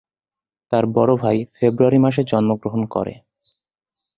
তার বড় ভাই ফেব্রুয়ারি মাসে জন্মগ্রহণ করে।